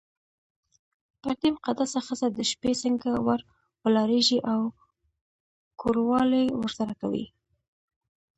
پر دې مقدسه ښځه د شپې څنګه ور ولاړېږې او کوروالی ورسره کوې.